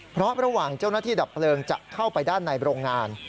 เพราะระหว่างเจ้าหน้าที่ดับเพลิงจะเข้าไปด้านในโรงงาน